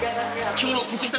今日の旅。